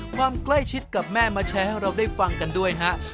ความใกล้ชิดกับแม่มาแชร์ให้เราได้ฟังกันด้วยฮะ